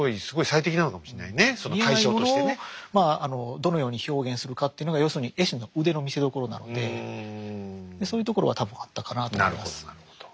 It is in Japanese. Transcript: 見えないものをまああのどのように表現するかっていうのが要するに絵師の腕の見せどころなのでそういうところは多分あったかなと思います。